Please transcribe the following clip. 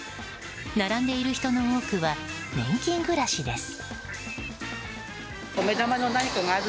並んでいる人の多くは年金暮らしです。